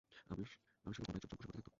আমি শুধু কোনায় চুপচাপ বসে পড়তেই থাকতাম।